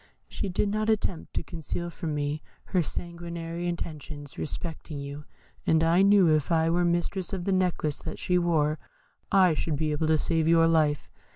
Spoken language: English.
She did not attempt to conceal from me her sanguinary intentions respecting you; and I knew if I were mistress of the necklace that she wore, I should be able to save your life.